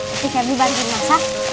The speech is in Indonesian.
tapi saya bantu masak